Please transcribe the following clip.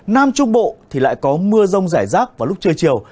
nam trung bộ thì lại có mưa rông rải rác vào lúc trưa chiều